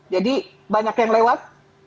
jadi banyak yang lewat